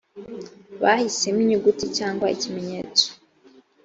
bahisemo inyuguti cyangwa ikimenyetso